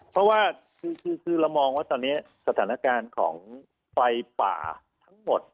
เพราะว่าคือเรามองว่าตอนนี้สถานการณ์ของไฟป่าทั้งหมด